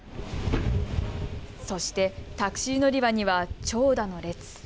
そしてタクシー乗り場には長蛇の列。